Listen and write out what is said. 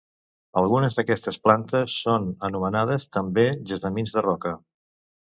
Algunes d'aquestes plantes són anomenades també gessamins de roca.